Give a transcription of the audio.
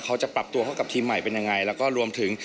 เขาจะปรับตัวเข้ากับทีมใหม่เป็นยังไงแล้วก็รวมถึง